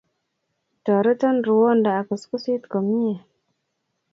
Toreton ruwondo akuskusit komie.